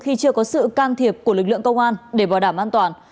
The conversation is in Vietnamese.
khi chưa có sự can thiệp của lực lượng công an để bảo đảm an toàn